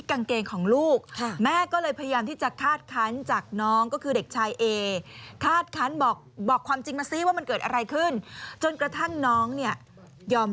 ปรากฏว่าไปพบคราบอสุจิติตดอยู่ที่กางเกงของลูก